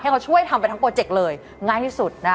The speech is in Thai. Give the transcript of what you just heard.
เขาช่วยทำไปทั้งโปรเจกต์เลยง่ายที่สุดนะคะ